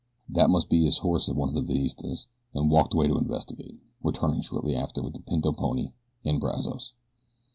"That must be his horse," said one of the Villistas, and walked away to investigate, returning shortly after with the pinto pony and Brazos.